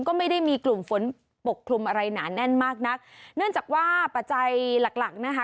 ก็ไม่ได้มีกลุ่มฝนปกคลุมอะไรหนาแน่นมากนักเนื่องจากว่าปัจจัยหลักหลักนะคะ